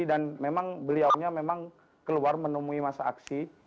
dan memang beliau nya memang keluar menemui masa aksi